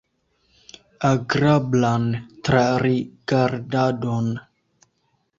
Agrablan trarigardadon!